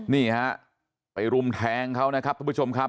นี่ฮะไปรุมแทงเขานะครับทุกผู้ชมครับ